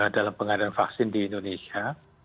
dalam pengadaan vaksin di indonesia